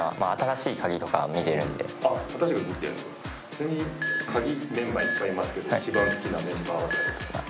ちなみにカギメンバーいっぱいいますけど一番好きなメンバーは誰ですか？